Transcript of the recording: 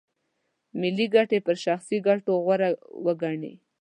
ملي ګټې پر شخصي ګټو غوره وګڼي.